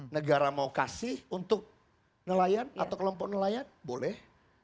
negara mau kasih untuk nelayan atau kelompok nelayan boleh